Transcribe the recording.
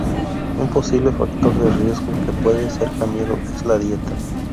Un posible factor de riesgo que puede ser cambiado es la dieta.